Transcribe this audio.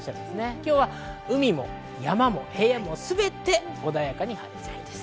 今日は海も山も平野部もすべて穏やかに晴れそうです。